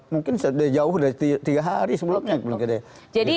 mungkin jauh dari tiga hari sebelumnya